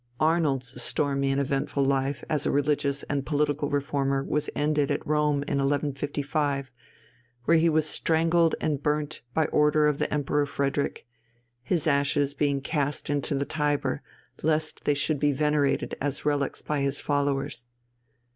Arnold's stormy and eventful life as a religious and political reformer was ended at Rome in 1155, where he was strangled and burnt by order of the Emperor Frederick, his ashes being cast into the Tiber lest they should be venerated as relics by his followers.